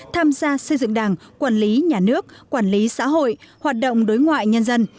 tham gia xây dựng đảng quản lý nhà nước quản lý xã hội hoạt động đối ngoại nhân dân